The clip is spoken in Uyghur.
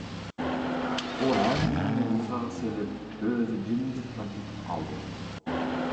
ئۇ ھەممىنى يىغىغا سېلىپ، ئۆزى جىمجىتلا كېتىپ قالدى.